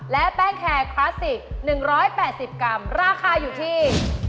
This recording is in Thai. และแป้งแคร์คลาสสิก๑๘๐กรัมราคาอยู่ที่